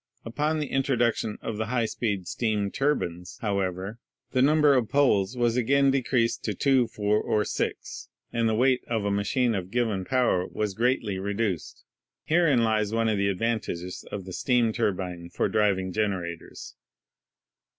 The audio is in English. Upon the in troduction of the high speed steam turbines, however, the number of poles was again decreased to two, four, or six, 1 6 — A Weston Dynamo of 18 and the weight of a machine of given power was greatly reduced. Herein lies one of the advantages of the steam turbine for driving generators.